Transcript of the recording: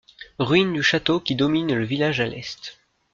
Ruines du château qui domine le village à l'est.